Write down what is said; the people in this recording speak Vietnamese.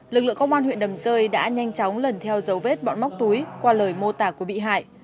lực lượng công an huyện đầm rơi đã nhanh chóng lần theo dấu vết bọn móc túi qua lời mô tả của bị hại